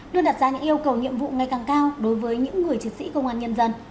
luôn đặt ra những yêu cầu nhiệm vụ ngày càng cao đối với những người chiến sĩ công an nhân dân